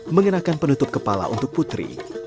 mengenakan penutup kepala untuk putri